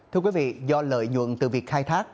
thưa quý vị do lợi nhuận từ việc khai thác